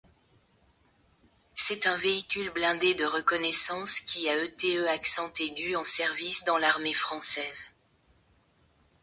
C'est un véhicule blindé de reconnaissance qui a été en service dans l'armée française.